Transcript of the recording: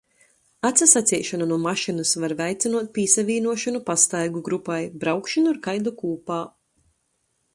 Atsasaceišona nu mašynys var veicinuot pīsavīnuošonu pastaigu grupai, braukšonu ar kaidu kūpā.